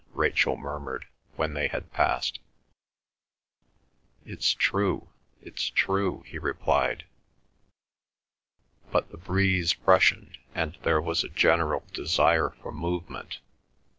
Rachel murmured, when they had passed. "It's true, it's true," he replied. But the breeze freshened, and there was a general desire for movement.